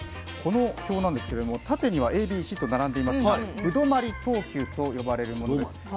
この表なんですけれども縦にはＡＢＣと並んでいますが歩留等級と呼ばれるものです。